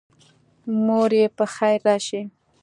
موري پخیر راشي